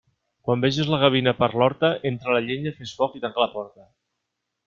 Quan veges la gavina per l'horta, entra la llenya, fes foc i tanca la porta.